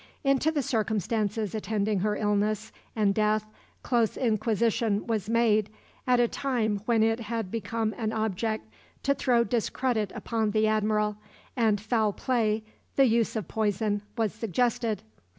Into the circumstances attending her illness and death close inquisition was made at a time when it had become an object to throw discredit upon the Admiral, and foul play the use of poison was suggested.